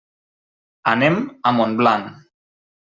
Anem a Montblanc.